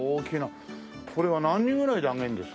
これは何人ぐらいで揚げるんですか？